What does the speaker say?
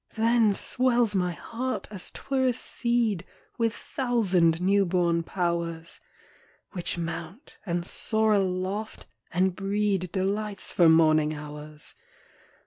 Then swells my heart, as 'twere a seed. With thousand new bom powers; Which mount, and soar aloft, and breed Delights for morning hours.